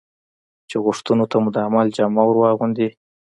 چې غوښتنو ته مو د عمل جامه ور واغوندي.